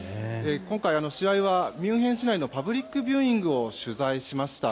今回、試合はミュンヘン市内のパブリックビューイングを取材しました。